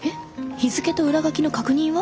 日付と裏書きの確認は？